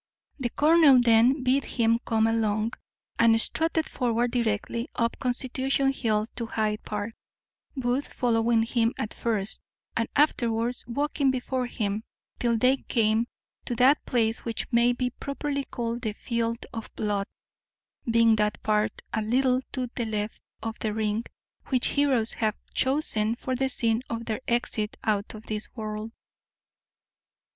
The colonel then bid him come along, and strutted forward directly up Constitution hill to Hyde park, Booth following him at first, and afterwards walking before him, till they came to that place which may be properly called the field of blood, being that part, a little to the left of the ring, which heroes have chosen for the scene of their exit out of this world.